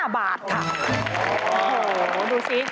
๔๒๕บาทค่ะโอ้โฮโอ้โฮดูสิ